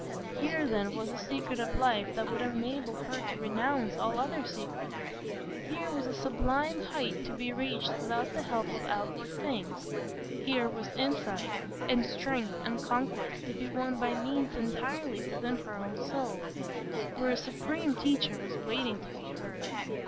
Here, then, was a secret of life that would enable her to renounce all other secrets; here was a sublime height to be reached without the help of outward things; here was insight, and strength, and conquest, to be won by means entirely within her own soul, where a supreme Teacher was waiting to be heard.